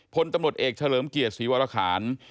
พลตำรวจเอกเฉลิมเกียรติศรีวรคาร